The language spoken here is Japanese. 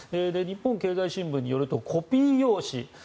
日本経済新聞によるとコピー用紙。